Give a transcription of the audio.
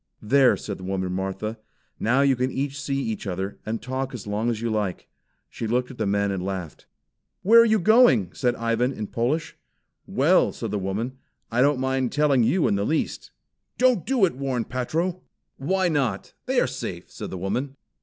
"There!" said the woman Martha. "Now you can see each other, and talk as long as you like." She looked at the men and laughed. "Where are you going?" said Ivan in Polish. "Well," said the woman, "I don't mind telling you in the least." "Don't do it!" warned Patro. "Why not? They are safe," said the woman.